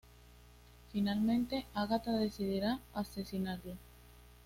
Finalmente, Ágata decidirá asesinarlo.